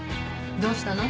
どうしたの？